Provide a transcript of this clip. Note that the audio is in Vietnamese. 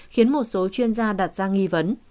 khiến một số chuyên gia đặt ra nghi vấn